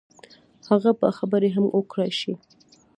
هغه به خبرې هم وکړای شي.